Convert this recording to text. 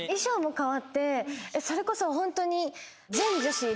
それこそホントに。